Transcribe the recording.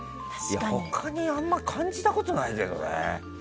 他にあまり感じたことないけどね。